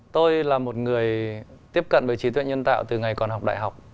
tôi là một người tiếp cận với trí tuệ nhân tạo từ ngày còn học đại học